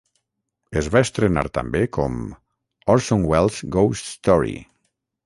Es va estrenar també com "Orson Welles' Ghost Story".